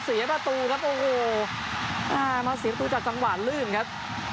เสียประตูครับโอ้โหอ่ามาเสียประตูจากจังหวะลื่นครับ